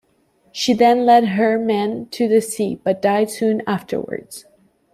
She then led her men to the sea, but died soon afterwards.